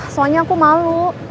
soalnya aku malu